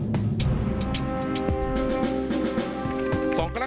สวัสดีครับ